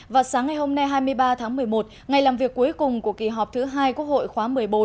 và sáng ngày hôm nay hai mươi ba tháng một mươi một ngày làm việc cuối cùng của kỳ họp thứ hai quốc hội khóa một mươi bốn